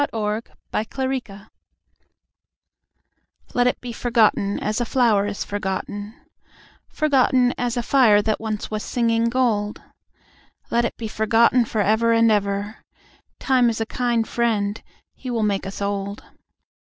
Let It Be Forgotten Let it be forgotten, as a flower is forgotten, Forgotten as a fire that once was singing gold, Let it be forgotten for ever and ever, Time is a kind friend, he will make us old.